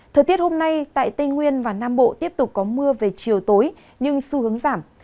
thời tiết hôm nay tại tây nguyên và nam bộ tiếp tục có mưa về chiều tối nhưng xu hướng giảm